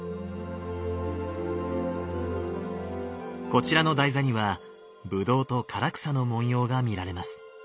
こちらの台座にはぶどうと唐草の文様が見られます。